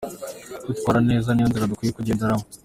Kwitwara neza niyo nzira dukwiye kugenderamo.